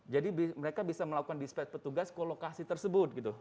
jadi mereka bisa melakukan dispatch petugas ke lokasi tersebut